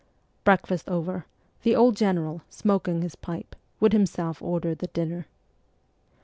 Breakfast over, the old general, smoking his pipe, would himself order the dinner.